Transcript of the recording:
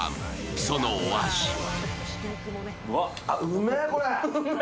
そのお味は？